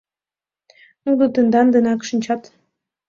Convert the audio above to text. Нуно тендан денак шинчат.